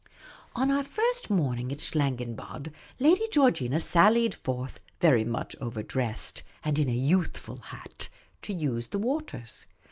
On our first morning at Schlangenbad, Lady Georgina sallied forth, very much overdressed, and in a youthful hat, to use the waters.